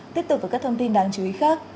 tiếp tục với các thông tin đáng chú ý khác